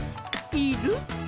いる？